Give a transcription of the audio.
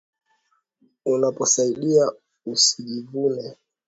Unapo saidia usi jivune